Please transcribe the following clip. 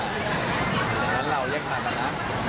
อย่างนั้นเราแยกทางกันนะ